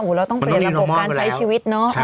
เราต้องเปลี่ยนระบบการใช้ชีวิตเนอะ